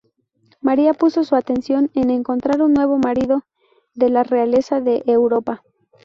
María puso su atención en encontrar un nuevo marido de la realeza de Europa.